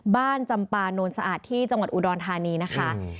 จำปานนสะอาดที่จังหวัดอุดรธานีนะคะ